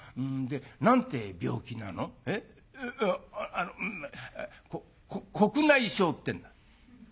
あこ黒内障ってんだ」。